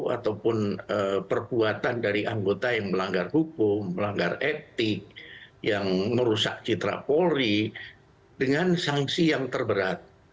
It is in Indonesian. ataupun perbuatan dari anggota yang melanggar hukum melanggar etik yang merusak cita cita